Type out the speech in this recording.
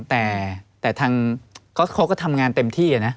แต่เขาก็ทำงานเต็มที่หละนะ